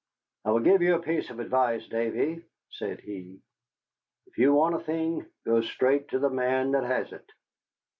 "I will give you a piece of advice, Davy," said he. "If you want a thing, go straight to the man that has it.